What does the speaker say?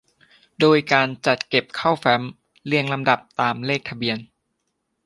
โดยการจัดเก็บเข้าแฟ้มเรียงลำดับตามเลขทะเบียน